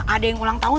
ada yang ulang tahun